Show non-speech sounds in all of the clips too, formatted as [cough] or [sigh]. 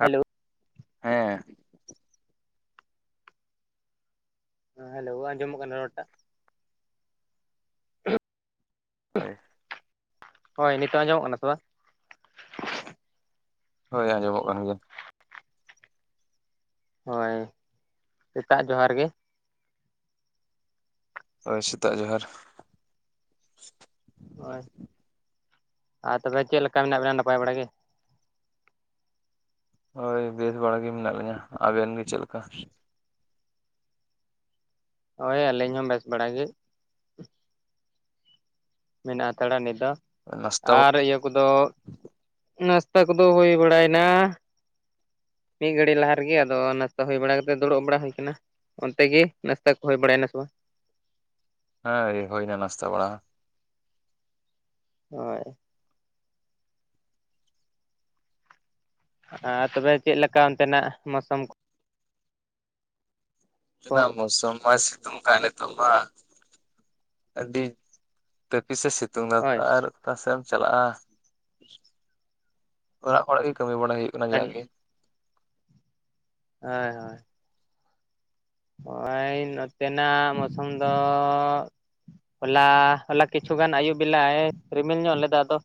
Hello ᱦᱮᱸ ᱮᱸ hello ᱟᱸᱡᱚᱢᱚᱜ ᱠᱟᱱᱟ ᱨᱚᱨᱴᱟᱜ? ᱦᱳᱭ ᱦᱳᱭ ᱱᱤᱛᱚᱜ ᱟᱸᱚᱢᱚᱜ ᱠᱟᱱᱟ ᱛᱚ ᱵᱟᱝ? ᱦᱳᱭ ᱟᱸᱡᱚᱢᱚᱜ ᱠᱟᱱ ᱜᱮᱭᱟ᱾ ᱦᱳᱭ ᱮᱴᱟᱜ ᱡᱚᱦᱟᱨ ᱜᱮ᱾ ᱦᱳᱭ ᱥᱮᱛᱟᱜ ᱡᱚᱦᱟᱨ᱾ ᱦᱳᱭ ᱟᱨ ᱛᱚᱵᱮ ᱪᱮᱫ ᱞᱮᱠᱟ ᱢᱮᱱᱟᱜ ᱵᱮᱱᱟ ᱱᱟᱯᱟᱭ ᱵᱟᱲᱟ ᱜᱮ? ᱦᱳᱭ ᱵᱮᱥ ᱵᱟᱲᱟ ᱜᱮ ᱢᱮᱱᱟᱜ ᱞᱤᱧᱟᱹ᱾ ᱟᱵᱮᱱ ᱜᱮ ᱪᱮᱫ ᱞᱮᱠᱟ? ᱦᱳᱭ ᱟᱹᱞᱤᱧ ᱦᱚᱸ ᱵᱮᱥ ᱵᱟᱲᱟ ᱜᱮ᱾ ᱢᱮᱱᱟᱜᱼᱟ ᱦᱟᱛᱟᱲᱟ ᱱᱤᱛ ᱫᱚ ᱱᱟᱥᱛᱟ ᱟᱨ ᱤᱭᱟᱹ ᱠᱚᱫᱚ ᱱᱟᱥᱛᱟ ᱠᱚᱫᱚ ᱦᱩᱭ ᱵᱟᱲᱟᱭᱮᱱᱟ? ᱢᱤᱫ ᱜᱷᱟᱹᱲᱤᱠ ᱝᱞᱟᱦᱟ ᱨᱮᱜᱮ ᱟᱫᱚ ᱱᱟᱥᱛᱟ ᱦᱩᱭ ᱵᱟᱲᱟ ᱠᱟᱛᱮ ᱫᱩᱲᱩᱵ ᱵᱟᱲᱟ ᱦᱩᱭ ᱟᱠᱟᱱᱟ᱾ ᱚᱱᱛᱮ ᱜᱮ ᱱᱟᱥᱛᱟ ᱠᱚ ᱦᱩᱭ ᱵᱟᱲᱟᱭᱮᱱᱟ ᱥᱮ ᱵᱟᱝ? ᱦᱟᱸ ᱜᱮ ᱦᱩᱭᱱᱮᱟ ᱱᱟᱥᱛᱟ ᱵᱟᱲᱟ᱾ ᱦᱳᱭ᱾ ᱟᱨ ᱛᱚᱵᱮ ᱪᱮᱫ ᱞᱮᱠᱟ ᱚᱱᱛᱮᱱᱟᱜ ᱢᱚᱥᱟᱹᱢ ᱠᱚ ᱛᱮᱱᱟᱜ ᱢᱚᱥᱟᱹᱢ ᱢᱟ ᱥᱤᱛᱩᱝ ᱠᱟᱜ ᱱᱤᱛᱚᱜ ᱢᱟ᱾ ᱟᱹᱰᱤ ᱛᱟᱹᱯᱤᱥ ᱮ ᱥᱤᱛᱩᱝ ᱦᱳᱭ ᱟᱠᱟᱫ-ᱟ ᱟᱨ ᱚᱠᱟ ᱥᱮᱫ ᱮᱢ ᱪᱟᱞᱟᱜᱼᱟ? ᱚᱲᱟᱜ ᱠᱷᱚᱱᱟᱜ ᱜᱮ ᱠᱟᱹᱢᱤ ᱵᱟᱲᱟᱭ ᱦᱩᱭᱩᱜ ᱠᱟᱱᱟ ᱦᱳᱭ ᱡᱟᱦᱟᱸ ᱜᱮ᱾ ᱦᱳᱭ ᱦᱳᱭ᱾ ᱱᱚᱜ-ᱚᱭ ᱱᱚᱛᱮᱱᱟᱜ ᱢᱚᱥᱚᱢ ᱫᱚ ᱦᱚᱞᱟ ᱦᱚᱞᱟ ᱠᱤᱪᱷᱩ ᱜᱟᱱ ᱟᱹᱭᱩᱵ ᱵᱮᱞᱟᱭ ᱨᱤᱢᱤᱞ ᱧᱚᱜ ᱞᱮᱫᱟ ᱟᱫᱚ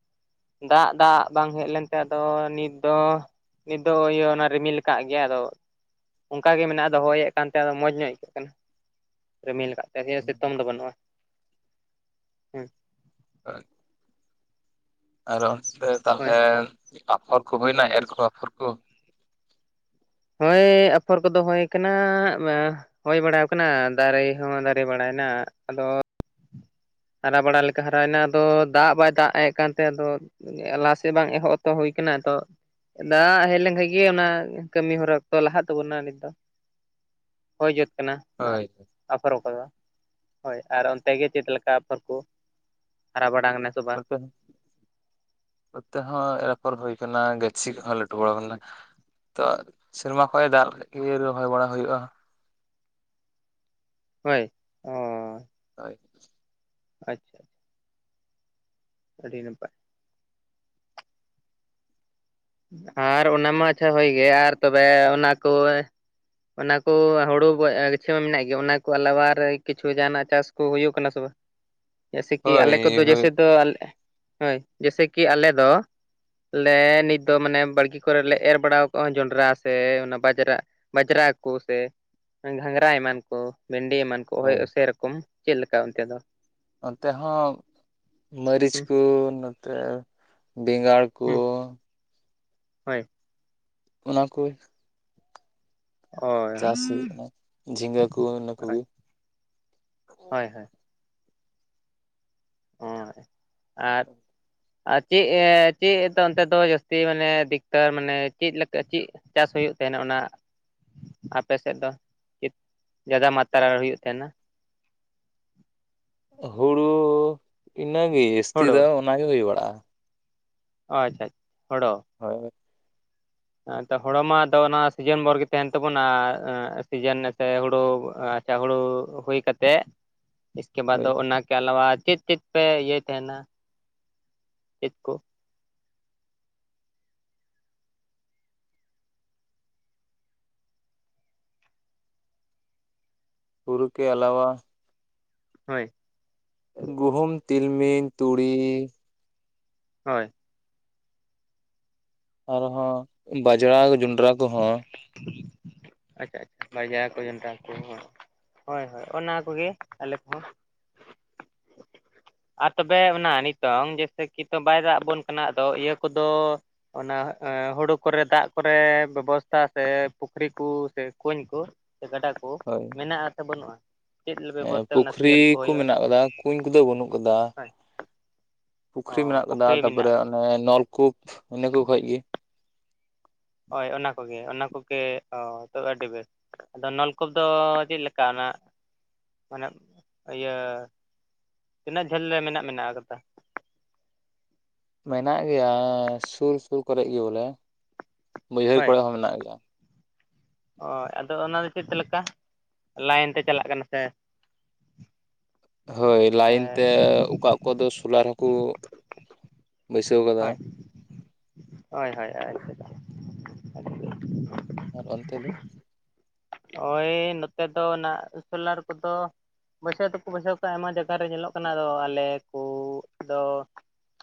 ᱫᱟᱜ ᱫᱟᱜ ᱵᱟᱝ ᱦᱮᱡ ᱞᱮᱱ ᱛᱟᱦᱮᱸᱫ ᱫᱚ, ᱱᱤᱛ ᱫᱚ? ᱱᱤᱛ ᱫᱚ ᱤᱭᱟᱹ ᱚᱱᱟ ᱨᱤᱢᱤᱞ ᱟᱠᱟᱜ ᱜᱮᱭᱟ ᱟᱫᱚ᱾ ᱚᱱᱠᱟᱜᱮ ᱢᱮᱱᱟᱜ ᱟᱫᱚ ᱦᱚᱭᱮᱫ ᱠᱟᱱᱛᱮ ᱟᱫᱚ ᱢᱚᱸᱡᱽ ᱧᱚᱜ ᱟᱹᱭᱠᱟᱹᱜ ᱠᱟᱱᱟ᱾ ᱨᱤᱢᱤᱞ ᱟᱠᱟᱫ ᱛᱮᱜᱮ ᱥᱤᱛᱩᱢ ᱫᱚ ᱵᱟᱹᱱᱩᱜᱼᱟ᱾ ᱦᱩᱸ᱾ [unintelligible] ᱟᱨᱦᱚ ᱚᱱᱛᱮ ᱦᱳᱭ ᱛᱟᱦᱞᱮ ᱟᱯᱷᱚᱨ ᱠᱚ ᱦᱩᱭᱱᱟ ᱮᱨ ᱠᱚ ᱟᱯᱷᱚᱨ ᱠᱚ? ᱦᱚᱭ ᱟᱯᱷᱚᱨ ᱠᱚᱫᱚ ᱦᱳᱭ ᱟᱠᱟᱱᱟ᱾ ᱮᱸᱻ ᱦᱳᱭ ᱵᱟᱲᱟᱣ ᱠᱟᱱᱟ ᱫᱟᱨᱮ ᱦᱚᱸ ᱫᱟᱨᱮ ᱵᱟᱲᱟᱭᱮᱱᱟ᱾ ᱟᱫᱚ ᱦᱟᱨᱟ ᱵᱟᱲᱟ ᱞᱮᱠᱟ ᱦᱟᱨᱟᱭᱮᱱᱟ ᱟᱫᱚ ᱫᱟᱜ ᱵᱟᱭ ᱫᱟᱜ ᱮᱫ ᱠᱟᱱᱛᱮ ᱟᱫᱚ ᱞᱟᱦᱟ ᱥᱮᱫ ᱵᱟᱝ ᱮᱦᱚᱵ ᱛᱚ ᱦᱩᱭ ᱟᱠᱟᱱᱟ ᱛᱚ᱾ ᱫᱟᱜ ᱦᱮᱡ ᱞᱮᱱᱠᱷᱟᱡ ᱜᱮ ᱚᱱᱟ ᱠᱟᱹᱢᱤ ᱦᱚᱨᱟ ᱚᱠᱛᱚ ᱞᱟᱦᱟᱜ ᱛᱟᱵᱚᱱᱟ ᱱᱤᱛᱚᱜ᱾ ᱦᱳᱭ ᱡᱩᱛ ᱟᱠᱱᱟ ᱦᱳᱭ ᱟᱨ ᱟᱯᱷᱚᱨ ᱠᱚᱫᱚ᱾ ᱦᱳᱭ, ᱟᱨ ᱚᱱᱛᱮ ᱜᱮ ᱪᱮᱫ ᱞᱮᱠᱟ ᱟᱯᱷᱚᱨ ᱠᱚ, ᱦᱟᱨᱟ ᱵᱟᱲᱟ ᱠᱟᱱᱟ? ᱥᱮ ᱵᱟᱝ [unintelligible] ᱱᱚᱛᱮ ᱦᱚᱸ ᱮᱨ ᱟᱯᱚᱨ ᱦᱩᱭ ᱟᱠᱟᱱᱟ᱾ ᱜᱟᱹᱪᱷᱤ ᱠᱚ ᱦᱚᱸ ᱞᱟᱹᱴᱩ ᱵᱟᱲᱟ ᱟᱠᱟᱱᱟ᱾ ᱛᱚ ᱥᱮᱨᱢᱟ ᱠᱷᱚᱡᱟᱜ ᱫᱟᱜ ᱞᱮᱠᱷᱟᱡ ᱜᱮ ᱤᱭᱟᱹ ᱨᱚᱦᱚᱭ ᱵᱟᱲᱟ ᱦᱩᱭᱩᱜᱼᱟ᱾ ᱦᱳᱭ᱾ ᱚ ᱦᱚᱭ᱾ ᱟᱪᱪᱷᱟ᱾ ᱟᱹᱰᱤ ᱱᱟᱯᱟᱭ᱾ ᱟᱨ ᱚᱱᱟ ᱢᱟ ᱟᱪᱪᱷᱟ ᱦᱳᱭ ᱜᱮ ᱟᱨ ᱛᱚᱵᱮ ᱚᱱᱟ ᱠᱚ ᱮ ᱚᱱᱟ ᱠᱚ ᱦᱩᱲᱩ ᱵᱟᱹᱫ ᱟᱹ ᱜᱟᱪᱷᱟᱹᱣ ᱢᱮᱱᱟᱜ ᱜᱮᱭᱟ᱾ ᱚᱱᱟ ᱠᱚ ᱟᱞᱟᱣᱟ ᱟᱨ ᱠᱤᱪᱷᱩ ᱡᱟᱦᱟᱸᱱᱟᱜ ᱪᱟᱥ ᱠᱚ ᱦᱩᱭᱩᱜ ᱠᱟᱱᱟ ᱥᱮ ᱵᱟᱸ? ᱡᱟᱥᱮ ᱠᱤ ᱟᱞᱮ ᱠᱚᱫᱚ ᱦᱳᱭ ᱦᱳᱭ ᱡᱟᱥᱮ ᱫᱚ ᱟᱞᱮ ᱦᱳᱭ, ᱡᱟᱥᱮ ᱠᱤ ᱟᱞᱮ ᱫᱚ, ᱞᱮ ᱱᱤᱛ ᱫᱚ ᱢᱟᱱᱮ ᱵᱟᱲᱜᱮ ᱠᱚᱨᱮ ᱞᱮ ᱮᱨ ᱵᱟᱲᱟᱣ ᱠᱟᱜᱼᱟ᱾ ᱡᱚᱱᱰᱨᱟ ᱥᱮ ᱚᱱᱟ ᱵᱟᱡᱽᱨᱟᱜ ᱵᱟᱡᱽᱨᱟ ᱠᱚ ᱥᱮ᱾ ᱜᱷᱟᱸᱜᱽᱨᱟ ᱮᱢᱟᱱ ᱠᱚ, ᱵᱷᱮᱱᱰᱤ ᱮᱢᱟᱱ ᱠᱚ, ᱦᱚᱭ, ᱚᱥᱮᱨᱚᱠᱚᱢ, ᱪᱮᱫ ᱞᱮᱠᱟ ᱚᱱᱛᱮ ᱫᱚ? ᱚᱱᱛᱮ ᱦᱚᱸ ᱢᱟᱹᱨᱤᱪ ᱦᱩᱸ ᱠᱚ, ᱱᱚᱛᱮ ᱵᱮᱸᱜᱟᱲ ᱠᱚ ᱦᱩᱸ ᱦᱳᱭ᱾ ᱚᱱᱟ ᱠᱩ ᱦᱩᱭᱩᱜ ᱦᱳᱭ᱾ ᱠᱟᱱᱟ ᱡᱷᱤᱸᱜᱟᱹ ᱠᱚ ᱤᱱᱟᱹ ᱠᱚᱜᱮ ᱦᱳᱭ ᱦᱳᱭ᱾ ᱦᱩᱸ᱾ ᱟ ᱟᱨ ᱪᱮᱫ ᱮ ᱪᱮᱫ ᱮ ᱚᱱᱛᱮ ᱫᱚ ᱡᱟᱹᱥᱛᱤ ᱢᱟᱱᱮ ᱟᱹᱫᱷᱤᱠᱛᱟᱨ ᱢᱟᱱᱮ ᱪᱮᱫ ᱞᱮᱠᱟ, ᱪᱮᱫ ᱪᱟᱥ ᱦᱩᱭᱩᱜ ᱛᱟᱦᱮᱱᱟ ᱚᱱᱟ ᱟᱯᱮ ᱥᱮᱫ ᱫᱚ ᱪᱮᱫ ᱡᱟᱫᱟ ᱢᱟᱛᱨᱟ ᱦᱩᱭᱩᱜ ᱛᱟᱦᱮᱱᱟ? ᱦᱩᱲᱩ ᱤᱱᱟᱹᱜᱮ ᱡᱟᱹᱥᱛᱤ ᱦᱳᱲᱳ ᱫᱚ ᱚᱱᱟᱜᱮ ᱦᱩᱭ ᱵᱟᱲᱟᱜᱼᱟ᱾ ᱚᱻ ᱟᱪᱪᱷᱟ ᱦᱚᱲᱚ᱾ ᱦᱳᱭ, ᱛᱚ ᱦᱚᱲᱳ ᱢᱟ ᱟᱫᱚ ᱚᱱᱟ ᱥᱤᱡᱤᱱ ᱵᱷᱚᱨ ᱜᱮ ᱛᱟᱦᱮᱱ ᱛᱟᱵᱚᱱᱟ ᱥᱤᱡᱮᱱ ᱥᱮ ᱦᱩᱲᱩ, ᱪᱟᱹ ᱦᱩᱲᱩ ᱦᱩᱭ ᱠᱟᱛᱮᱜ ᱤᱥᱠᱮ ᱵᱟᱫ ᱦᱳᱭ ᱚᱱᱟᱠᱮ ᱟᱞᱟᱣᱟ ᱪᱮᱫ ᱪᱮᱫ, ᱯᱮ ᱤᱭᱟᱭ ᱛᱟᱦᱮᱱᱟ ᱪᱮᱫ ᱠᱚ? ᱦᱩᱨᱩ ᱠᱮ ᱟᱞᱟᱣᱟ, ᱦᱳᱭ᱾ ᱜᱩᱦᱩᱢ ᱛᱤᱞᱢᱤᱧ ᱛᱩᱲᱤ, ᱦᱳᱭ, ᱟᱨᱦᱚᱸ ᱵᱟᱡᱽᱲᱟ ᱡᱚᱸᱰᱨᱟ ᱠᱚᱦᱚᱸ᱾ ᱟᱪᱪᱷᱟ ᱟᱪᱪᱷᱟ ᱵᱟᱡᱲᱟ ᱠᱚ ᱡᱚᱱᱰᱨᱟ ᱠᱚ ᱦᱳᱭ ᱦᱳᱭ ᱚᱱᱟ ᱠᱚᱜᱮ ᱟᱞᱮ ᱠᱚᱦᱚᱸ᱾ ᱟᱨ ᱛᱚᱵᱮ ᱚᱱᱟ ᱱᱤᱛᱚᱝ ᱡᱮᱭᱥᱮ ᱠᱤᱛᱚ ᱵᱟᱭ ᱫᱟᱜᱽ ᱟᱵᱚᱱ ᱠᱟᱱᱟ ᱟᱫᱚ ᱤᱭᱟᱹ ᱠᱚᱫᱚ ᱚᱱᱟ ᱦᱩᱲᱩ ᱠᱚᱨᱮ ᱫᱟᱜᱽ ᱠᱚᱨᱮ ᱵᱮᱵᱚᱥᱛᱷᱟ ᱥᱮ ᱯᱩᱠᱷᱨᱤ ᱠᱚ ᱥᱮ ᱠᱩᱧ ᱠᱚ᱾ ᱥᱮ ᱜᱟᱰᱟ ᱠᱚ ᱢᱮᱱᱟᱜᱼᱟ ᱥᱮ ᱵᱟᱹᱱᱩᱜᱼᱟ? ᱪᱮᱫ ᱮᱸ ᱵᱮᱵᱚᱥᱛᱟ ᱚᱱᱟ ᱯᱩᱠᱷᱨᱤ ᱥᱤᱭᱟᱹᱛ ᱠᱚ ᱦᱩᱭᱩᱜᱼᱟ ᱢᱮᱱᱟᱜ ᱠᱟᱫᱟ ᱠᱩᱧ ᱠᱚᱫᱚ ᱵᱟᱹᱱᱩᱜ ᱠᱟᱫᱟ᱾ ᱦᱳᱭ ᱚ ᱯᱩᱠᱷᱨᱤ ᱢᱮᱱᱟᱜ ᱟᱠᱟᱫᱟ ᱯᱩᱠᱷᱨᱤ ᱢᱮᱱᱟᱜ ᱛᱟᱯᱚᱨᱮ ᱚᱱᱮ ᱱᱚᱞᱠᱩᱯ ᱤᱱᱟᱹᱠᱩ ᱠᱷᱚᱭ ᱜᱮ᱾ ᱦᱳᱭ ᱚᱱᱟ ᱠᱚᱜᱮ ᱚᱱᱟ ᱠᱚᱜᱮ ᱚᱻᱛᱚ ᱟᱹᱰᱤ ᱵᱮᱥ᱾ ᱟᱫᱚ ᱱᱚᱞᱠᱩ ᱫᱚ ᱪᱮᱫ ᱞᱮᱠᱟ ᱚᱱᱟ ᱢᱟᱱᱮ ᱤᱭᱟᱹ ᱛᱤᱱᱟᱹᱜ ᱡᱷᱟᱹᱞ ᱞᱮ ᱢᱮᱱᱟᱜ ᱢᱮᱱᱟᱜ ᱠᱟᱫᱟ᱾ ᱢᱮᱱᱟᱜ ᱜᱮᱭᱟ ᱥᱩᱨ ᱥᱩᱨ ᱠᱚᱨᱮ ᱜᱮ ᱵᱚᱞᱮ ᱵᱟᱹᱭᱦᱟᱹᱲ ᱠᱚᱨᱮ ᱦᱚᱸ ᱢᱮᱱᱟᱜ ᱜᱮᱭᱟ, ᱚᱭ ᱟᱫᱚ ᱚᱱᱟ ᱫᱚ ᱪᱮᱫ ᱞᱮᱠᱟ ᱞᱟᱭᱤᱱ ᱛᱮ ᱪᱟᱞᱟᱜ ᱠᱟᱱᱟ ᱥᱮ, ᱦᱳᱭ ᱞᱟᱭᱤᱱ ᱛᱮ ᱚᱠᱟ ᱚᱠᱟ ᱫᱚ ᱥᱳᱞᱟᱨ ᱦᱚᱸᱠᱚ, ᱵᱟᱹᱭᱥᱟᱹᱣ ᱠᱟᱫᱟ ᱦᱳᱭ ᱦᱳᱭ ᱦᱳᱭ ᱦᱳᱭ ᱟᱪᱪᱷᱟ ᱟᱪᱪᱷᱟ, ᱟᱨ ᱚᱱᱛᱮ ᱫᱚ? ᱳᱭ ᱱᱚᱛᱮ ᱫᱚ ᱚᱱᱟ ᱥᱳᱞᱟᱨ ᱠᱚᱫᱚ, ᱵᱟᱹᱭᱥᱷᱟᱹᱣ ᱛᱮᱠᱚ ᱵᱟᱹᱭᱥᱷᱟᱹᱣ ᱠᱚᱜᱼᱟ ᱟᱭᱢᱟ ᱡᱟᱭᱜᱟ ᱨᱮ ᱧᱮᱞᱚᱜ ᱠᱟᱱᱟ ᱟᱫᱚ ᱟᱞᱮ ᱠᱚᱻᱫᱚ,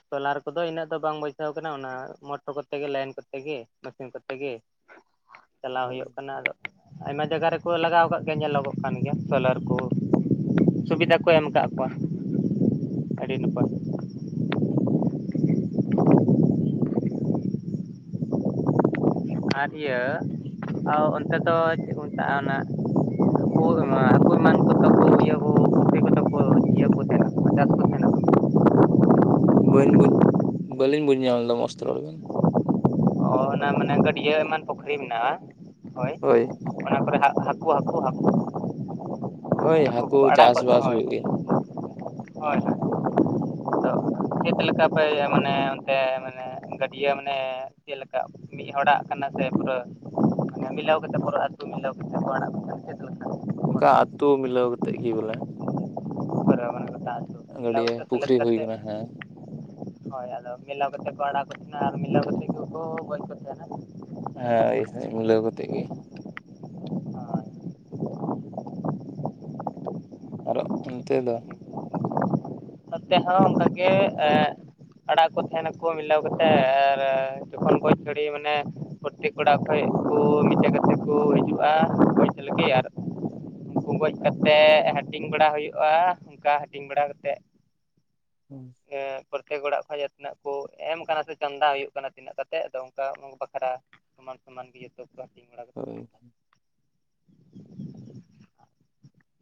ᱥᱚᱞᱟᱨ ᱠᱚᱫᱚ ᱤᱱᱟᱹᱜ ᱫᱚ ᱵᱟᱝ ᱵᱟᱭᱥᱟᱹᱣ ᱠᱟᱱᱟ ᱚᱱᱟ ᱢᱚᱴᱚ ᱠᱚᱛᱮ ᱜᱮ ᱞᱟᱭᱤᱱ ᱠᱚᱛᱮ ᱜᱮ ᱢᱮᱥᱤᱱ ᱠᱚᱛ, ᱛᱮᱜᱮ ᱪᱟᱞᱟᱣ ᱦᱳᱭ ᱦᱩᱭᱩᱜ ᱠᱟᱱᱟ ᱟᱫᱚ, ᱟᱭᱢᱟ ᱡᱟᱭᱜᱟ ᱨᱮᱠᱚ ᱞᱟᱜᱟᱣ ᱠᱟᱜ ᱜᱮᱭᱟ ᱧᱮᱞᱚᱜᱚᱜ ᱠᱟᱱ ᱜᱮᱭᱟ ᱥᱚᱞᱟᱨ ᱠᱚ᱾ ᱥᱩᱵᱤᱫᱟ ᱠᱚ ᱮᱢ ᱟᱠᱟᱜ ᱠᱚᱣᱟ ᱟᱹᱰᱤ ᱱᱟᱯᱟᱭ᱾ ᱟᱨ ᱤᱭᱟᱹ ᱚᱱᱛᱮ ᱫᱚ ᱪᱮᱫ ᱠᱚ ᱢᱮᱛᱟᱜᱼᱟ ᱚᱱᱟ, [unintelligible] ᱦᱟᱹᱠᱩ ᱨᱮᱱᱟᱜ [unintelligible] ᱤᱭᱟᱹ ᱠᱚ ᱛᱟᱦᱮᱱᱟ ᱪᱟᱥ ᱠᱚ ᱛᱟᱦᱮᱱᱟ ᱵᱟᱹᱧ ᱵᱩᱡᱽ ᱵᱟᱹᱞᱤᱧ ᱵᱩᱡᱽ ᱧᱟᱢ ᱞᱮᱫᱟ ᱢᱚᱥ ᱛᱮ ᱨᱚᱲ ᱵᱮᱱ᱾ ᱚ ᱚᱱᱟ ᱢᱟᱱᱮ ᱜᱟᱹᱰᱭᱟᱹ ᱮᱢᱟᱱ ᱯᱩᱠᱷᱨᱤ ᱢᱮᱱᱟᱜᱼᱟ ᱦᱳᱭ, ᱚᱱᱟ ᱠᱚᱨᱮ ᱦᱟᱜ ᱦᱟᱹᱠᱩ ᱦᱟᱹᱠᱩ ᱦᱟᱹᱠᱩ, ᱦᱟᱹᱠᱩ, ᱦᱳᱭ ᱦᱟᱹᱠᱩ ᱠᱚᱠᱚ ᱟᱲᱟᱜ ᱜᱚᱫ ᱪᱟᱥᱵᱟᱥ ᱦᱳᱭ, ᱦᱩᱭᱩᱜ ᱦᱳᱭ ᱜᱮᱭᱟ ᱦᱳᱭ᱾ ᱦᱩᱸ ᱪᱮᱫ ᱞᱮᱠᱟ ᱯᱮ ᱢᱟᱱᱮ ᱚᱱᱛᱮ ᱢᱟᱱᱮ ᱜᱟᱹᱰᱭᱟᱹ ᱢᱟᱱᱮ, ᱪᱮᱫ ᱞᱮᱠᱟ ᱢᱤᱫ ᱦᱚᱲᱟᱜ ᱠᱟᱱᱟ ᱥᱮ ᱯᱩᱨᱟᱹ᱾ ᱢᱟᱱᱮ ᱢᱤᱞᱟᱣ ᱠᱟᱛᱮᱫ ᱯᱩᱨᱟ ᱟᱹᱛᱩ ᱢᱤᱞᱟᱣ ᱠᱟᱛᱮᱫ ᱠᱚ ᱟᱲᱟᱜ ᱠᱚᱣᱟ ᱪᱮᱫ ᱞᱮᱠᱟ? ᱚᱱᱠᱟ ᱟᱹᱛᱩ ᱢᱤᱞᱟᱹᱣ ᱠᱟᱛᱮᱫ ᱜᱮ ᱵᱚᱞᱮ᱾ [unintelligible] [unintelligible] ᱢᱮᱞᱟᱣ ᱠᱟᱛᱮ ᱛᱟᱦᱚᱞᱮ ᱜᱟᱹᱰᱭᱟᱹ ᱥᱮᱞᱮᱫ ᱯᱩᱠᱷᱨᱤ ᱦᱩᱭ ᱠᱟᱛᱮᱫ᱾ ᱠᱟᱱᱟ ᱦᱮᱸ ᱦᱳᱭ ᱟᱫᱚ ᱢᱮᱞᱟᱣ ᱠᱟᱛᱮ ᱠᱚ ᱟᱲᱟᱜ ᱠᱚ ᱛᱟᱦᱮᱱᱟ ᱟᱨ ᱢᱤᱞᱟᱣ ᱠᱟᱛᱮ ᱜᱮᱠᱚ ᱜᱚᱡ ᱠᱚ ᱛᱟᱦᱮᱱᱟ᱾ ᱦᱟᱸᱭ ᱦᱟᱸᱭ ᱢᱤᱞᱟᱹᱣ ᱠᱟᱛᱮᱫ ᱜᱮ᱾ ᱦᱳᱭ ᱟᱨᱚ ᱚᱱᱛᱮ ᱫᱚ ᱟᱹᱰᱤ ᱱᱚᱛᱮ ᱦᱚᱸ ᱚᱱᱠᱟ ᱜᱮ ᱮ ᱟᱲᱟᱜ ᱠᱚ ᱛᱟᱦᱮᱱᱟ ᱠᱚ ᱢᱤᱞᱟᱹᱣ ᱠᱟᱛᱮ ᱟᱨ ᱡᱚᱠᱷᱚᱱ ᱜᱚᱡ [unintelligible] ᱢᱟᱱᱮ ᱯᱨᱚᱛᱛᱮᱠ ᱚᱲᱟᱜ ᱠᱷᱚᱱᱚᱡ ᱠᱚ ᱢᱤᱫᱴᱮᱡ ᱠᱟᱛᱮ ᱠᱚ ᱦᱤᱡᱩᱜᱼᱟ ᱜᱚᱡ ᱞᱟᱹᱜᱤᱫ ᱟᱨ ᱩᱱᱠᱩ ᱜᱚᱡ ᱠᱟᱛᱮ ᱦᱟᱹᱴᱤᱧ ᱵᱟᱲᱟ ᱦᱩᱭᱩᱜᱼᱟ ᱚᱱᱠᱟ ᱦᱟᱹᱴᱤᱧ ᱵᱟᱲᱟ ᱠᱟᱛᱮ᱾ [inaudible] ᱯᱨᱚᱛᱛᱮᱠ ᱚᱲᱟᱜ ᱠᱷᱚᱱᱟᱜ ᱛᱤᱱᱟᱹᱜ ᱠᱚ ᱮᱢ ᱟᱠᱟᱱᱟ ᱥᱮ ᱪᱟᱸᱱᱫᱟ ᱦᱩᱭᱩᱜ ᱠᱟᱱᱟ ᱛᱤᱱᱟᱹᱜ ᱠᱟᱛᱮ ᱟᱫᱚ ᱚᱱᱠᱟ ᱩᱱ ᱵᱟᱠᱷᱨᱟ ᱥᱚᱢᱟᱱ ᱥᱚᱢᱟᱱ ᱜᱮ ᱡᱚᱛᱚ ᱠᱚ ᱦᱟᱴᱤᱧ ᱵᱟᱲᱟ ᱠᱚ ᱦᱳᱭ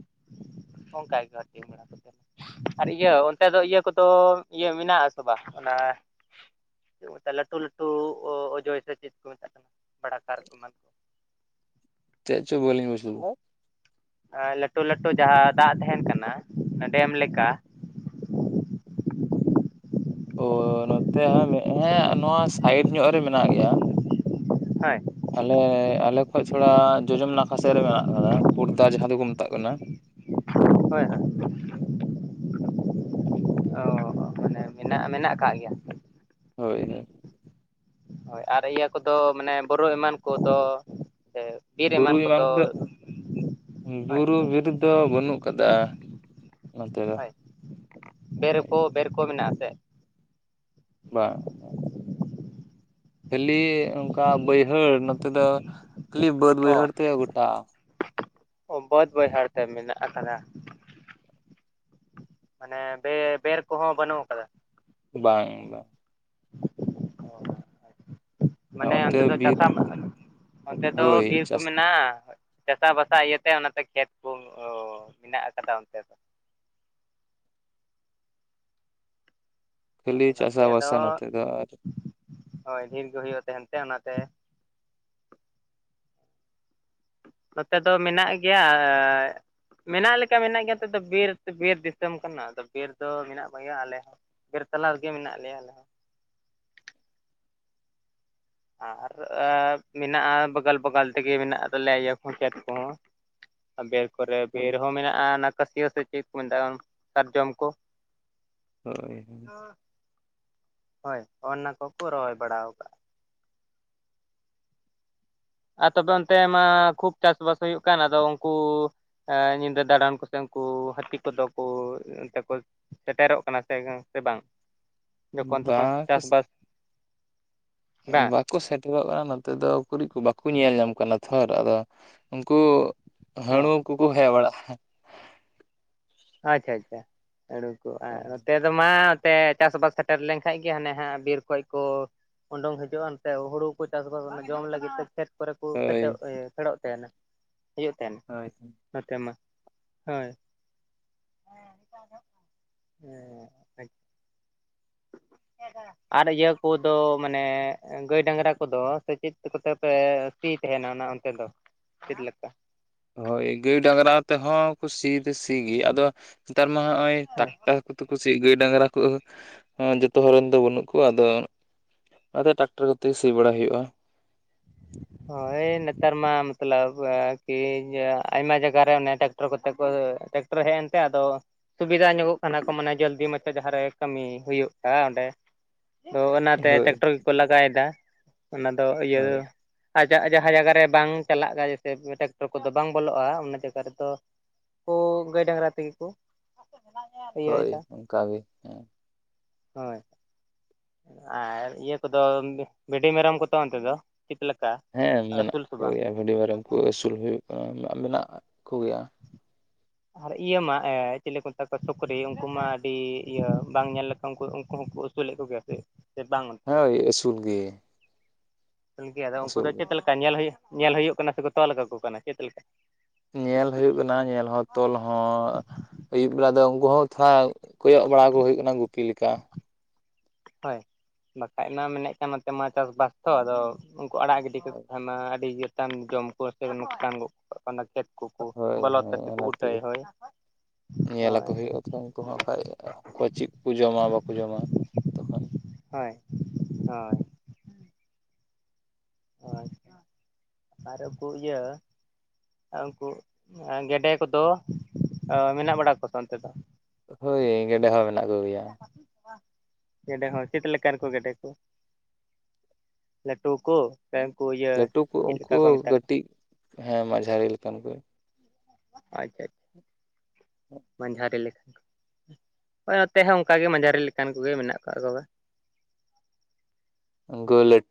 [unintelligible] ᱟᱨ ᱤᱭᱟᱹ ᱚᱱᱛᱮ ᱫᱚ ᱤᱭᱟᱹ ᱠᱚᱫᱚ ᱤᱭᱟᱹ ᱢᱮᱱᱟᱜ ᱟᱥᱮ ᱵᱟᱝ ᱚᱱᱟ᱾ ᱪᱮᱫ ᱠᱚ ᱢᱮᱛᱟᱜᱼᱟ ᱞᱟᱹᱴᱩ ᱞᱟᱹᱴᱩ ᱚᱡᱚᱭ ᱥᱮ ᱪᱮᱫ ᱠᱚ ᱢᱮᱛᱟᱜ ᱠᱟᱱᱟ ᱵᱟᱲᱟ ᱠᱟᱨ ᱠᱚ ᱮᱢᱟ ᱠᱚᱣᱟ᱾ ᱪᱮᱫ ᱪᱚ ᱵᱟᱹᱞᱤᱧ ᱵᱩᱡ ᱞᱮᱫᱟ᱾ ᱞᱟᱹᱴᱩ ᱞᱟᱹᱴᱩ ᱡᱟᱦᱟᱸ ᱫᱟᱜ ᱛᱟᱦᱮᱱ ᱠᱟᱱᱟ ᱰᱮᱢ ᱞᱮᱠᱟ᱾ ᱚ ᱱᱚᱛᱮ ᱢᱮᱫ ᱦᱚᱸ ᱱᱚᱣᱟ ᱥᱟᱭᱤᱴ ᱧᱚᱜ ᱨᱮ ᱢᱮᱱᱟᱜ ᱜᱮᱭᱟ ᱦᱮᱸ ᱟᱞᱮ ᱟᱞᱮ ᱠᱷᱚᱡ ᱛᱷᱚᱲᱟ ᱡᱚᱡᱚᱢ ᱱᱟᱠᱷᱟ ᱥᱮᱫ ᱨᱮ ᱢᱮᱱᱟᱜ ᱟᱠᱟᱫᱟ ᱯᱚᱲᱫᱟ ᱡᱟᱦᱟᱸ ᱫᱚᱠᱚ ᱢᱮᱛᱟᱜ ᱠᱟᱱᱟ᱾ ᱦᱳᱭ ᱦᱳᱭ ᱚ ᱢᱟᱱᱮ ᱢᱮᱱᱟᱜ ᱢᱮᱱᱟᱜ ᱟᱠᱟᱫ ᱜᱮᱭᱟ ᱦᱳᱭ ᱦᱳᱭ ᱦᱳᱭ ᱟᱨ ᱤᱭᱟᱹ ᱠᱚᱫᱚ ᱢᱟᱱᱮ ᱵᱚᱨᱚ ᱮᱢᱟᱱ ᱠᱚᱫᱚ᱾ ᱵᱩᱨᱩ ᱮᱢᱟᱱ ᱠᱚᱫᱚ ᱦᱳᱭ ᱵᱩᱨᱩ ᱵᱤᱨ ᱫᱚ ᱵᱟᱹᱱᱩᱜ ᱠᱟᱫᱟ᱾ ᱦᱳᱭ ᱵᱮᱨᱠᱚ ᱵᱮᱨ ᱠᱚ ᱢᱮᱱᱟᱜ ᱟᱥᱮ ᱵᱟᱝ ᱠᱷᱟᱹᱞᱤ ᱚᱱᱠᱟ ᱵᱟᱹᱭᱦᱟᱹᱲ ᱱᱚᱛᱮ ᱫᱚ ᱠᱷᱟᱹᱞᱤ ᱵᱟᱹᱫᱽ ᱵᱟᱹᱭᱦᱟᱹᱲ ᱛᱮ ᱜᱚᱴᱟ ᱵᱟᱹᱫ ᱵᱟᱹᱭᱦᱟᱹᱲ ᱛᱮ ᱢᱮᱱᱟᱜ ᱟᱠᱟᱫᱟ᱾ ᱢᱟᱱᱮ ᱵᱮ ᱵᱮᱨ ᱠᱚᱦᱚᱸ ᱵᱟᱹᱱᱩᱜ ᱟᱠᱟᱫᱟ᱾ ᱵᱟᱝ ᱵᱟᱝ ᱢᱟᱱᱮ ᱚᱱᱛᱮ ᱫᱚ [unintelligible] ᱚᱱᱛᱮ ᱫᱚ ᱦᱳᱭ ᱵᱤᱨ ᱠᱚ ᱪᱟᱥ ᱢᱮᱱᱟᱜᱼᱟ ᱪᱟᱥᱟ ᱵᱟᱥᱟ ᱤᱭᱟᱹᱛᱮ ᱚᱱᱟᱛᱮ ᱠᱷᱮᱛ ᱠᱚ ᱢᱮᱱᱟᱜ ᱟᱠᱟᱫᱟ ᱚᱱᱛᱮ ᱫᱚ᱾ ᱠᱷᱟᱞᱤ ᱦᱳᱭ ᱪᱟᱥ ᱱᱚᱛᱮ ᱫᱚ ᱵᱟᱥᱟ ᱱᱟᱛᱮ ᱫᱚ ᱦᱳᱭ ᱰᱷᱮᱨ ᱜᱮ ᱦᱩᱭᱩᱜᱼᱟ ᱛᱟᱦᱮᱱᱛᱮ ᱚᱱᱟᱛᱮ ᱱᱚᱛᱮ ᱫᱚ ᱢᱮᱱᱟᱜ ᱜᱮᱭᱟ᱾ ᱢᱮᱱᱟᱜ ᱞᱮᱠᱟ ᱢᱮᱱᱟᱜ ᱜᱮᱭᱟ ᱱᱚᱛᱮ ᱫᱚ ᱵᱤᱨ ᱵᱤᱨ ᱫᱤᱥᱚᱢ ᱠᱟᱱᱟ ᱟᱫᱚ ᱵᱤᱨ ᱫᱚ ᱢᱮᱱᱟᱜ [unintelligible] ᱟᱞᱮ ᱦᱚᱸ ᱵᱤᱨ ᱛᱟᱞᱟ ᱨᱮᱜᱮ ᱢᱮᱱᱟᱜ ᱞᱮᱭᱟ ᱟᱞᱮ ᱦᱚᱸ ᱟᱨ ᱢᱮᱱᱟᱜᱼᱟ ᱵᱟᱜᱟᱞ ᱵᱟᱜᱟᱞ ᱛᱮᱜᱮ ᱢᱮᱱᱟᱜ ᱛᱟᱞᱮᱭᱟ ᱠᱮᱛ ᱠᱚᱦᱚᱸ ᱵᱤᱨ ᱠᱚᱨᱮ ᱵᱤᱨ ᱦᱚᱸ ᱢᱮᱱᱟᱜᱼᱟ ᱚᱱᱟ ᱠᱟᱹᱥᱤᱭᱥ ᱥᱮ ᱪᱮᱫ ᱠᱚ ᱢᱮᱛᱟᱜ ᱥᱟᱨᱡᱚᱢ ᱠᱚ ᱦᱳᱭ ᱦᱳᱭ ᱦᱳᱭ ᱚᱱᱟ ᱠᱚᱠᱚ ᱨᱚᱦᱚᱭ ᱵᱟᱲᱟ ᱟᱠᱟᱫᱼᱟ ᱟᱨ ᱛᱚᱵᱮ ᱚᱱᱛᱮ ᱢᱟ ᱠᱷᱩᱵ ᱪᱟᱥ ᱵᱟᱥ ᱦᱩᱭᱩᱜ ᱠᱟᱱ ᱟᱫᱚ ᱩᱱᱠᱩ᱾ ᱧᱤᱫᱟᱹ ᱫᱟᱬᱟᱱ ᱠᱩᱥᱮ ᱩᱱᱠᱩ ᱦᱟᱹᱛᱤ ᱠᱚᱫᱚ ᱠᱚ ᱚᱱᱛᱮ ᱠᱩ᱾ ᱥᱮᱴᱮᱨᱚᱜ ᱠᱟᱱᱟ ᱥᱮ ᱥᱮ ᱵᱟᱝ᱾ ᱡᱚᱠᱷᱚᱱ ᱛᱚᱠᱷᱚᱱ ᱵᱟᱥ ᱪᱟᱥᱵᱟᱥ [inaudible] ᱵᱟᱝ ᱠᱚ ᱥᱮᱴᱮᱨᱚᱜ ᱠᱟᱱᱟ ᱱᱚᱛᱮ ᱫᱚ ᱩᱠᱩᱲᱤᱡ ᱠᱩ ᱵᱟᱠᱚ ᱧᱮᱞ ᱧᱟᱢ ᱠᱟᱱᱟ ᱛᱷᱚᱨ ᱟᱫᱚ ᱩᱱᱠᱩ ᱚ ᱦᱟᱺᱬᱩ ᱠᱚᱠᱚ ᱦᱮᱡ ᱵᱟᱲᱟᱜᱼᱟ ᱟᱪᱪᱷᱟ ᱟᱪᱪᱷᱟ [unintelligible] ᱟᱫᱚ ᱢᱟ ᱛᱮ ᱪᱟᱥᱵᱟᱥ ᱥᱮᱴᱮᱨ ᱞᱮᱱᱠᱟᱱᱡ ᱜᱮ ᱦᱟᱸᱱᱮ ᱦᱟᱸᱜ ᱵᱤᱨ ᱠᱷᱚᱡ ᱠᱚ ᱩᱰᱩᱝ ᱦᱤᱡᱩᱜ ᱼᱟ ᱱᱛᱮ ᱦᱩᱲᱩ ᱠᱩ ᱪᱟᱥᱵᱟᱥ ᱚᱱᱟ ᱡᱚᱢ ᱞᱟᱹᱜᱤᱫ ᱛᱮ ᱠᱷᱮᱛ ᱠᱚᱨᱮ ᱠᱩ ᱯᱷᱮᱰᱚᱜ ᱦᱳᱭ ᱤᱭᱟ ᱯᱷᱮᱲᱚᱜ ᱛᱟᱦᱮᱸᱱᱟ ᱦᱤᱡᱩᱜ ᱛᱟᱦᱮᱸᱱ᱾ ᱦᱳᱭ᱾ ᱱᱚᱛᱮ ᱢᱟ ᱦᱳᱭ᱾ ᱦᱮᱸ᱾ ᱟᱨ ᱤᱭᱟᱹ ᱠᱚᱫᱚ ᱢᱟᱱᱮ ᱜᱟᱹᱭ ᱰᱟᱝᱨᱟ ᱠᱚᱫᱚ ᱥᱮ ᱪᱮᱫ ᱠᱚᱛᱮ ᱯᱮ ᱥᱤ ᱛᱮᱦᱮᱸᱱᱟ ᱚᱱᱟ ᱚᱱᱛᱮ ᱫᱚ ᱪᱤᱫᱞᱮᱠᱟ? ᱦᱳᱭ ᱜᱟᱹᱭᱼᱰᱟᱝᱨᱟ ᱛᱮᱦᱚᱸ ᱥᱤ ᱫᱚ ᱥᱤ ᱜᱤᱭᱟ ᱟᱫᱚ ᱱᱮᱛᱟᱨ ᱢᱟ ᱦᱚᱸᱜᱼᱚᱭ ᱦᱮᱸ ᱴᱟᱠᱴᱟᱨ ᱠᱩ ᱛᱮᱠᱩ ᱥᱤᱭᱮᱫ ᱜᱟᱹᱭᱼᱰᱟᱝᱨᱟ ᱠᱚ ᱚᱸ ᱡᱚᱛᱚ ᱦᱚᱲ ᱨᱮᱱ ᱫᱚ ᱵᱟᱹᱱᱩᱜ ᱠᱚᱣᱟ, ᱟᱫᱚ ᱚᱱᱟᱛᱮ ᱴᱨᱟᱠᱴᱟᱨ ᱠᱚᱛᱮ ᱥᱤ ᱵᱟᱲᱟ ᱦᱩᱭᱩᱜᱼᱟ᱾ ᱦᱳᱭ ᱱᱮᱛᱟᱨ ᱢᱟ ᱢᱚᱛᱞᱚᱵ ᱠᱤ ᱟᱭᱢᱟ ᱡᱟᱜᱟ ᱨᱮ ᱚᱱᱮ ᱴᱨᱟᱠᱴᱚᱨ ᱠᱚᱛᱮ ᱠᱚ ᱛᱮ ᱴᱚᱨ ᱦᱮᱡᱮᱱ ᱛᱮ ᱟᱫᱚ ᱥᱩᱵᱤᱫᱟ ᱧᱚᱜᱚᱜ ᱠᱟᱱᱟ ᱠᱚ ᱢᱟᱱᱮ ᱡᱚᱞᱫᱤ ᱢᱟᱪᱷᱟ ᱡᱟᱦᱟᱸᱨᱮ ᱠᱟᱹᱢᱤ ᱦᱩᱭᱩᱜᱼᱟ ᱚᱸᱰᱮ ᱛᱚ ᱚᱱᱟᱛᱮ ᱦᱳᱭ ᱴᱟᱠᱴᱚᱨ ᱜᱮᱠᱚ ᱞᱟᱜᱟᱭᱫᱟ ᱚᱱᱟ ᱫᱚ ᱤᱭᱟᱹ ᱦᱳᱭ ᱟᱡᱟᱜ ᱡᱟᱦᱟᱸ ᱡᱟᱭᱜᱟ ᱨᱮ ᱵᱟᱝ ᱪᱟᱞᱟᱜ ᱠᱟᱱᱟ ᱡᱮᱭᱥᱮ ᱴᱨᱟᱠᱴᱚᱨ ᱠᱚᱫᱚ ᱵᱟᱝ ᱵᱚᱞᱚᱜᱼᱟ, ᱚᱱᱟ ᱡᱟᱭᱜᱟ ᱨᱮᱫᱚ ᱠᱚ ᱜᱟᱹᱭᱼᱰᱟᱝᱨᱟ ᱛᱮᱜᱮ ᱠᱚ ᱤᱭᱟᱹᱭ ᱦᱳᱭ ᱫᱟ ᱚᱱᱠᱟ ᱜᱮ ᱦᱮᱸ ᱦᱳᱭ᱾ ᱟᱨ ᱤᱭᱟᱹ ᱠᱚᱫᱚ ᱵᱷᱤᱰᱤ ᱢᱮᱨᱚᱢ ᱠᱚᱫᱚ ᱚᱱᱛᱮ ᱫᱚ ᱪᱮᱫ ᱞᱮᱠᱟ ᱦᱮᱸ ᱢᱮᱱᱟᱜ ᱟᱹᱥᱩᱞ ᱥᱮ ᱵᱟᱝ? ᱠᱚᱜᱮᱭᱟ ᱵᱷᱤᱰᱤ ᱢᱮᱨᱚᱢ ᱠᱚ ᱟᱹᱥᱩᱞ ᱦᱩᱭᱩᱜ ᱠᱟᱱᱟ ᱢᱮᱱᱟᱜ ᱠᱚᱜᱮᱭᱟ᱾ ᱟᱨ ᱤᱭᱟᱹ ᱢᱟ ᱮ ᱪᱮᱞᱤ ᱠᱚ ᱢᱮᱛᱟ ᱠᱚᱣᱟ ᱥᱩᱠᱨᱤ ᱩᱱᱠᱩ ᱢᱟ ᱟᱹᱰᱤ ᱤᱭᱟᱹ ᱵᱟᱝ ᱧᱮᱞ ᱞᱮᱠᱷᱟᱱ ᱩᱱᱠᱩ ᱩᱱᱠᱩ ᱦᱚᱸᱠᱚ ᱩᱛᱩ ᱞᱮ ᱠᱚᱜᱮᱭᱟ ᱯᱮ? ᱦᱳᱭ ᱟᱹᱥᱩᱞ ᱜᱮ᱾ ᱠᱟᱱᱠᱮ ᱟᱫᱚ ᱩᱝᱠᱩ ᱟᱹᱥᱩᱞ ᱫᱚ ᱜᱮ ᱪᱮᱫ ᱞᱮᱠᱟ ᱧᱮᱞ ᱦᱩᱭᱩ ᱧᱮᱞ ᱦᱩᱭᱩᱜ ᱠᱟᱱᱟ ᱥᱮᱠᱚ ᱛᱚᱞ ᱠᱟᱠᱚ ᱠᱟᱱᱟ ᱪᱮᱫ ᱞᱮᱠᱟ? ᱧᱮᱞ ᱦᱳᱭᱩᱜ ᱠᱟᱱᱟ ᱧᱮᱞ ᱦᱚᱸ ᱛᱚᱞ ᱦᱚᱸ ᱟᱹᱭᱩᱵ ᱵᱮᱲᱟ ᱫᱚ ᱩᱝᱠᱩ ᱦᱚᱸ ᱛᱷᱚᱲᱟ ᱠᱚᱭᱚᱜ ᱵᱟᱲᱟ ᱟᱠᱳ ᱦᱩᱭᱩᱜ ᱠᱟᱱᱟ ᱜᱩᱯᱤ ᱞᱮᱠᱟ᱾ ᱦᱳᱭ ᱵᱟᱠᱷᱟᱡ ᱢᱟ ᱢᱮᱱᱮᱜ ᱠᱟᱱ ᱱᱚᱛᱮ ᱢᱟᱛᱚ ᱵᱟᱠᱛᱚ ᱟᱫᱚ ᱩᱝᱠᱩ ᱟᱲᱟᱜ ᱜᱤᱰᱤ ᱠᱟᱠᱚ ᱠᱷᱟᱱ ᱢᱟ ᱟᱹᱰᱤ ᱪᱮᱛᱟᱱ ᱡᱚᱢ ᱠᱚ ᱥᱮ ᱱᱚᱥᱠᱟᱱ ᱜᱚᱜ ᱠᱟᱜ ᱚᱱᱟ ᱠᱷᱮᱛ ᱠᱩᱠᱩ ᱦᱳᱭ ᱵᱚᱞᱚ ᱦᱳᱭ ᱠᱟᱛᱮ ᱠᱚ ᱚᱱᱟ ᱛᱮᱜᱮ ᱩᱴᱟᱹᱭᱟ ᱦᱳᱭ ᱚᱸᱭ ᱠᱩᱦᱚ ᱠᱷᱟᱡ ᱚᱠᱚᱭ ᱪᱮᱜ ᱠᱩ ᱡᱚᱢᱟ ᱵᱟᱠᱚ ᱡᱚᱢᱟ ᱛᱚᱠᱷᱟᱱ ᱦᱳᱭ ᱦᱚᱭ᱾ ᱦᱚᱭ ᱟᱨ ᱩᱝᱠᱩ ᱤᱭᱟᱹ ᱟᱨ ᱩᱝᱠᱩ ᱜᱮᱰᱮ ᱠᱚᱫᱚ ᱢᱮᱱᱟᱜ ᱵᱟᱲᱟ ᱠᱚ ᱥᱮ ᱵᱟᱝ ᱚᱱᱛᱮ ᱫᱚ? ᱦᱳᱭ ᱜᱮᱰᱮ ᱦᱚᱸ ᱢᱮ [inaudible] ᱜᱮᱰᱮ ᱦᱚᱸ ᱪᱮᱛ ᱞᱮᱠᱟᱱ ᱠᱚ ᱜᱮᱰᱮ ᱠᱚ ᱞᱟᱴᱩ ᱠᱚ ᱥᱮ ᱩᱱᱠᱚ ᱤᱭᱟᱹ ᱞᱟᱹᱴᱩ ᱠᱚ ᱪᱮᱫ ᱞᱮᱠᱟ ᱩᱝᱠᱩ ᱠᱚ ᱢᱮᱛᱟ ᱠᱚᱣᱟ ᱠᱟᱹᱴᱤᱡ ᱦᱮᱸ ᱢᱟᱡᱷᱟᱨᱤ ᱞᱮᱠᱟᱱ ᱠᱚ᱾ ᱟ ᱪᱟᱷᱟᱪ᱾ ᱦᱩ ᱢᱟᱱᱡᱷᱟᱨᱤ ᱞᱮᱠᱟᱱ ᱠᱩ, ᱦᱳᱭ ᱱᱚᱛᱮ ᱦᱚᱸ ᱚᱱᱠᱟᱜ ᱜᱮ ᱢᱟᱡᱷᱟᱨᱤ ᱞᱮᱠᱟᱱ ᱠᱚᱜᱮ ᱢᱮᱱᱟᱜ ᱠᱚᱟᱜ ᱠᱚᱣᱟ᱾ ᱜᱩᱞᱟᱹᱴ